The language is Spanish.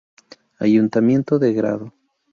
Ayuntamiento de Grado